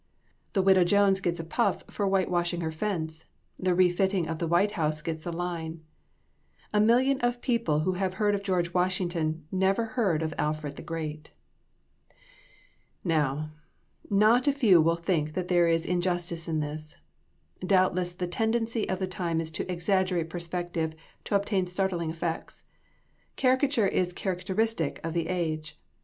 The Widow Jones gets a puff for whitewashing her fence; the refitting of the White House gets a line. A million of people who have heard of George Washington, never heard of Alfred the Great. Now, not a few will think that there is injustice in this. Doubtless the tendency of the time is to exaggerate perspective to obtain startling effects. Caricature is characteristic of the age.